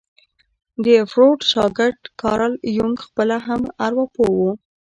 د فروډ شاګرد کارل يونګ خپله هم ارواپوه وو.